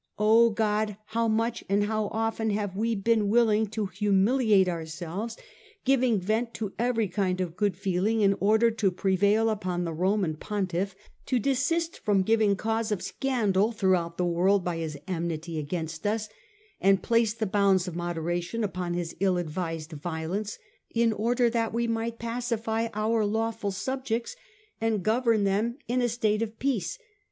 " O God ! how much and how often have we been willing to humiliate ourselves, giving vent to every kind of good feeling, in order to prevail upon the Roman Pontiff to desist from giving cause of scandal throughout the world by his enmity against us, and place the bounds of moderation upon his ill advised violence, in order that we might pacify our lawful subjects and govern them in a state of peace.